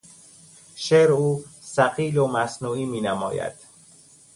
شعر او ثقیل و مصنوعی مینماید.